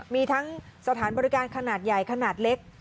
มีทั้งสถานบริการขนาดใหญ่ขนาดเล็ก